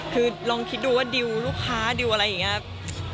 คือลองคิดดูว่าดิวลูกค้าดิวอะไรอย่างนี้